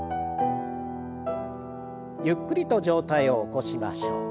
ゆっくりと上体を起こしましょう。